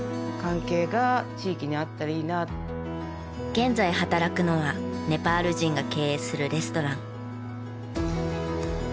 現在働くのはネパール人が経営するレストラン。